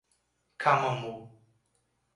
Camamu